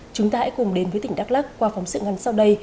chúng ta hãy cùng đến với tỉnh đắk lắc qua phóng sự ngắn sau đây